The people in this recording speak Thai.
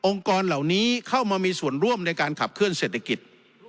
กรเหล่านี้เข้ามามีส่วนร่วมในการขับเคลื่อเศรษฐกิจ